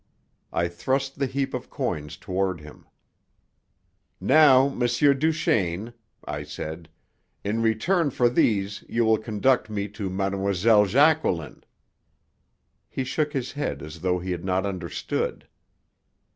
I thrust the heap of coins toward him. "Now, M. Duchaine," I said; "in return for these you will conduct me to Mlle. Jacqueline." He shook his head as though he had not understood.